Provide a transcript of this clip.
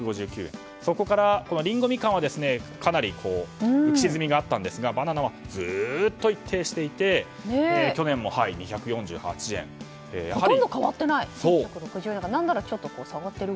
そこからリンゴ、ミカンはかなり浮き沈みがあったんですがバナナはずっと一定していてほとんど変わってない！